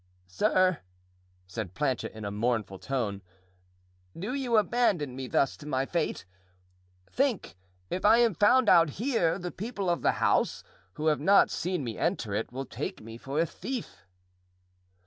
"Sir," said Planchet, in a mournful tone, "do you abandon me thus to my fate? Think, if I am found out here, the people of the house, who have not seen me enter it, will take me for a thief."